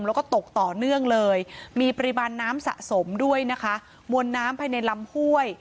แล้วก็ตกต่อเนื่องเลยมีปริมาณน้ำสะสมด้วยนะคะมวลน้ำภายในลำห้วย